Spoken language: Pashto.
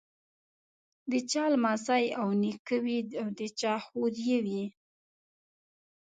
د چا لمسی او نیکه وي او د چا خوريی وي.